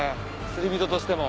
釣り人としても。